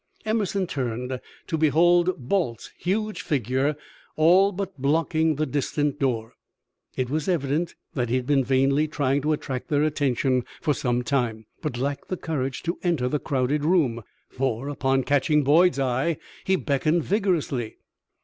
Emerson turned to behold Balt's huge figure all but blocking the distant door. It was evident that he had been vainly trying to attract their attention for some time, but lacked the courage to enter the crowded room, for, upon catching Boyd's eye, he beckoned vigorously.